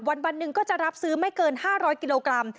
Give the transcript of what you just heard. วันหนึ่งก็จะรับซื้อไม่เกิน๕๐๐กิโลกรัม